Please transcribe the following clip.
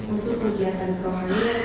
untuk kegiatan kerohanian